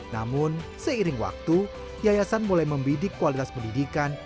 namun seiring waktu yayasan mulai membidik kualitas pendidikan